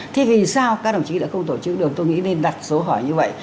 thế vì sao các đồng chí đã không tổ chức được tôi nghĩ nên đặt số hỏi như vậy